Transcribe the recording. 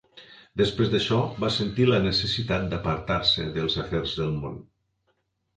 Després d'això, va sentir la necessitat d'apartar-se dels afers del món.